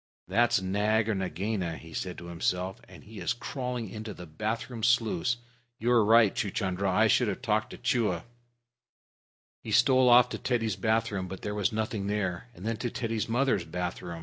"That's Nag or Nagaina," he said to himself, "and he is crawling into the bath room sluice. You're right, Chuchundra; I should have talked to Chua." He stole off to Teddy's bath room, but there was nothing there, and then to Teddy's mother's bathroom.